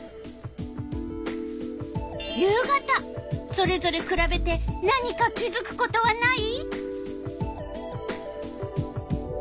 それぞれくらべて何か気づくことはない？